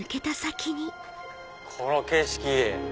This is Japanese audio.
この景色。